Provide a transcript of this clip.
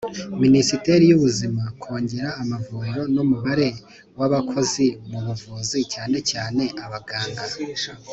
Minisiteri y Ubuzima Kongera amavuriro n umubare w abakozi mu buvuzi cyane cyane abaganga